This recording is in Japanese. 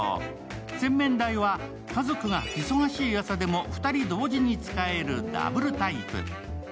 洗面台は家族が忙しい朝でも２人同時に使えるダブルタイプ。